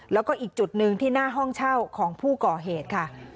แล้วก็อีกจุดหนึ่งที่หน้าห้องเช่าของผู้ก่อเหตุค่ะ